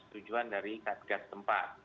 setujuan dari satgas tempat